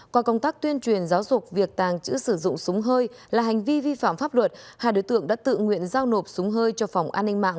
qua công tác tuyên truyền giáo dục việc tàng trữ sử dụng súng hơi là hành vi vi phạm pháp luật hai đối tượng đã tự nguyện giao nộp súng hơi cho phòng an ninh mạng